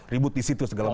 ribut di situ segala macam